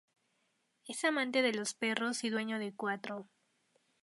Es amante de los perros y dueño de cuatro.